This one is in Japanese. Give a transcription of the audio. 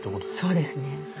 そうですねはい。